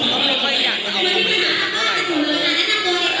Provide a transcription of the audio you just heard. ยังไงทำไมต้องเอาเขาเข้าไปเกี่ยวครับ